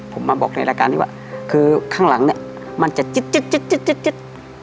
ผมมาบอกไว้แล้วก่อนก็คือคือข้างหลังเนี่ยมันจะจึ๊ด